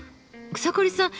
草刈さん